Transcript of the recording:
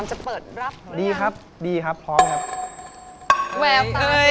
ไม่ได้นะชอบแล้ว